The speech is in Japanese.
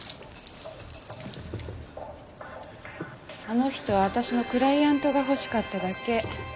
あの人は私のクライアントが欲しかっただけ。